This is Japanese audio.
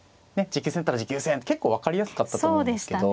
持久戦だったら持久戦って結構分かりやすかったと思うんですけど。